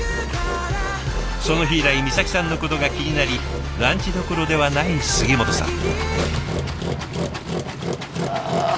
その日以来美咲さんのことが気になりランチどころではない杉本さん。